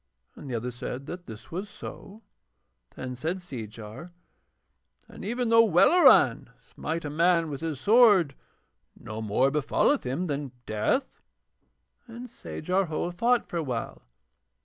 And the other said that this was so. Then said Seejar: 'And even though Welleran smite a man with his sword no more befalleth him than death.' Then Sajar Ho thought for a while.